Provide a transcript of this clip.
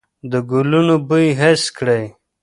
د ګلونو بوی حس کړئ.